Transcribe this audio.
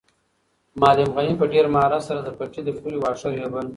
معلم غني په ډېر مهارت سره د پټي د پولې واښه رېبل.